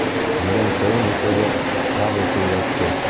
Ерәнсәйен эсергәс, тағы көйрәтте.